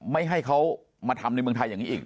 ไม่ให้เขามาทำในเมืองไทยอย่างนี้อีก